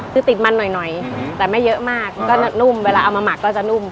คือติดมันหน่อยแต่ไม่เยอะมากก็นุ่มเวลาเอามาหมักก็จะนุ่ม